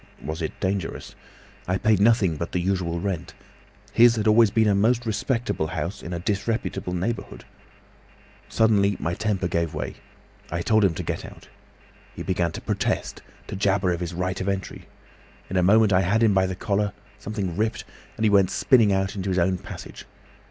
Was it dangerous? I paid nothing but the usual rent. His had always been a most respectable house—in a disreputable neighbourhood. Suddenly my temper gave way. I told him to get out. He began to protest, to jabber of his right of entry. In a moment I had him by the collar; something ripped, and he went spinning out into his own passage.